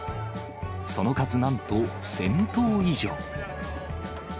その数なんと１０００頭以上。